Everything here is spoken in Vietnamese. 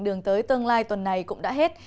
đường tới tương lai tuần này cũng đã hết